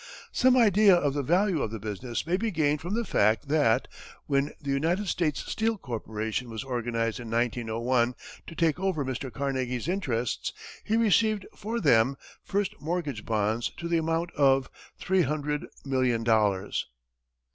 Some idea of the value of the business may be gained from the fact that, when the United States Steel Corporation was organized in 1901 to take over Mr. Carnegie's interests he received for them, first mortgage bonds to the amount of three hundred million dollars.